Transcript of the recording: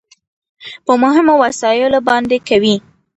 په مهمو مسايلو باندې کوي .